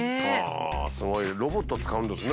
すごいロボット使うんですね。